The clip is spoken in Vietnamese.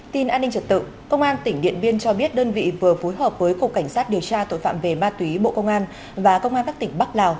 tin an ninh trật tự công an tỉnh điện biên cho biết đơn vị vừa phối hợp với cục cảnh sát điều tra tội phạm về ma túy bộ công an và công an các tỉnh bắc lào